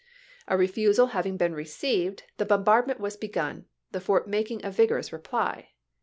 A refusal ha\'ing been received, the bombardment was begun, the fort making a vigor ous reply.